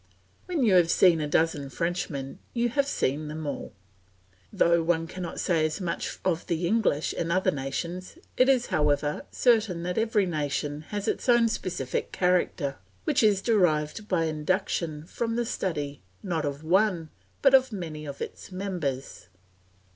When you have seen a dozen Frenchmen you have seen them all. Though one cannot say as much of the English and other nations, it is, however, certain that every nation has its own specific character, which is derived by induction from the study, not of one, but many of its members.